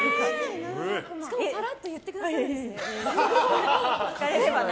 しかもさらっと言ってくださるんですね。